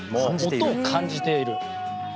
音を感じている。